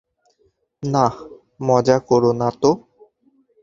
না, মজা কোরো না তো।